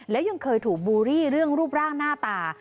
และยังเคยถูกบูรีเรื่องรูปร่างหน้าตา